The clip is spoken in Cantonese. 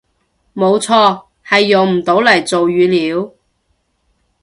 冇錯，係用唔到嚟做語料